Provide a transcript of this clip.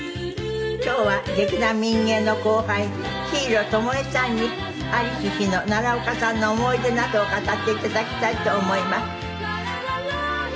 今日は劇団民藝の後輩日色ともゑさんに在りし日の奈良岡さんの思い出などを語っていただきたいと思います。